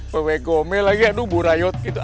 pewek gomel lagi aduh burayot gitu